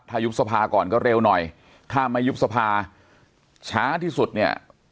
ถ้ายุบสภาก่อนก็เร็วหน่อยถ้าไม่ยุบสภาช้าที่สุดเนี่ย